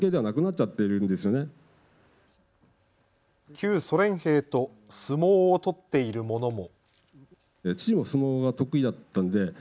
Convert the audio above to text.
旧ソ連兵と相撲を取っているものも。